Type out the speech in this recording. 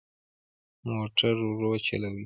موټر ورو چلوئ